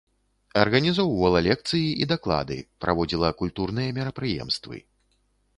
Арганізоўвала лекцыі і даклады, праводзіла культурныя мерапрыемствы.